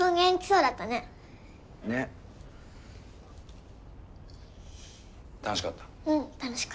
うん楽しかった。